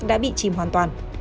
đã bị chìm hoàn toàn